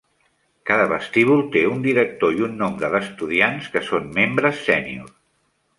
Cada vestíbul té un director i un nombre d"estudiants que són membres sénior.